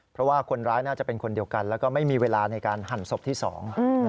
เพราะว่าคนร้ายน่าจะเป็นคนเดียวกันแล้วก็ไม่มีเวลาในการหั่นศพที่สอง